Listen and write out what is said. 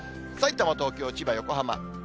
さいたま、東京、千葉、横浜。